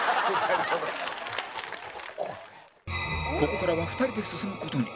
ここからは２人で進む事に